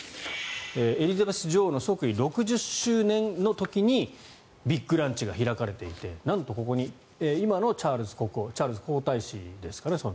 エリザベス女王の即位６０周年の時にビッグランチが開かれていてなんと、ここに今のチャールズ国王その時はチャールズ皇太子ですかね。